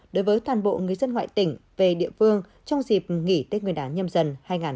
đối với toàn bộ người dân ngoại tỉnh về địa phương trong dịp nghỉ tết nguyên đán nhâm dần hai nghìn hai mươi bốn